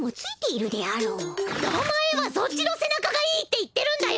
たまえはそっちのせ中がいいって言ってるんだよ！